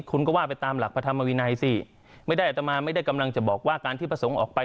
คุณก็ว่าไปตามหลักพระธรรมวินัยสิไม่ได้อัตมาไม่ได้กำลังจะบอกว่าการที่พระสงฆ์ออกไป